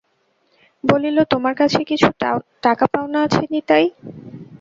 বলিল, তোমার কাছে কিছু টাকা পাওনা আছে নিতাই।